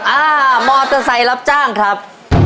อ่ามอเตอร์ไซค์รับจ้างครับ